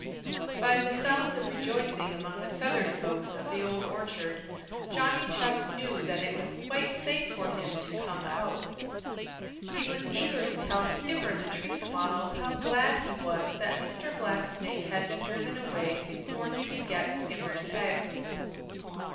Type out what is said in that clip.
By the sounds of rejoicing among the feathered folks of the Old Orchard Johnny Chuck knew that it was quite safe for him to come out. He was eager to tell Skimmer the Tree Swallow how glad he was that Mr. Blacksnake had been driven away before he could get Skimmer's eggs.